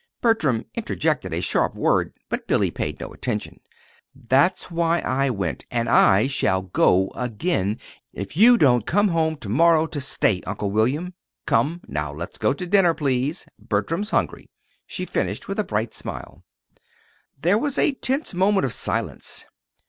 (Bertram interjected a sharp word, but Billy paid no attention.) "That's why I went; and I shall go again if you don't come home to morrow to stay, Uncle William. Come, now let's go to dinner, please. Bertram's hungry," she finished, with a bright smile. There was a tense moment of silence.